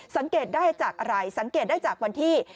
สังเกตได้จากอะไรสังเกตได้จากวันที่